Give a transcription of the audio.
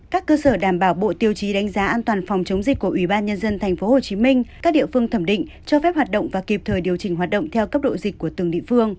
các cơ sở đảm bảo bộ tiêu chí đánh giá an toàn phòng chống dịch của ủy ban nhân dân tp hcm các địa phương thẩm định cho phép hoạt động và kịp thời điều chỉnh hoạt động theo cấp độ dịch của từng địa phương